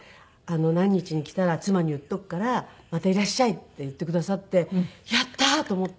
「何日に来たら妻に言っておくからまたいらっしゃい」って言ってくださってやったーと思って。